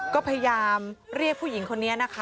ก็พยายามเรียกผู้หญิงคนนี้นะคะ